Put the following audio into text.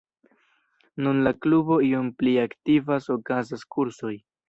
Nun la klubo iom pli aktivas, okazas kursoj.